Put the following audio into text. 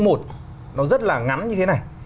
một nó rất là ngắn như thế này